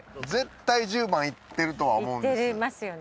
絶対１０番行ってるとは思うんです。